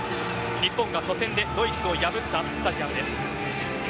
日本が初戦でドイツを破ったスタジアムです。